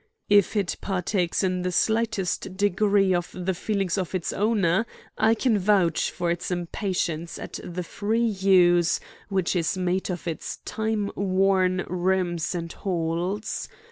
"If it partakes in the slightest degree of the feelings of its owner, I can vouch for its impatience at the free use which is made of its time worn rooms and halls.